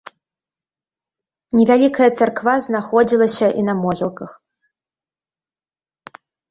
Невялікая царква знаходзілася і на могілках.